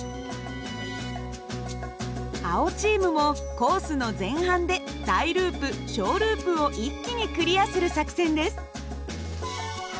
青チームもコースの前半で大ループ小ループを一気にクリアする作戦です。